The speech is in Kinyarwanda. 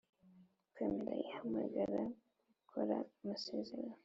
kwemera ihamagarira gukora amasezerano